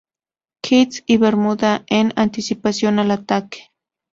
Kitts y Bermuda en anticipación al ataque.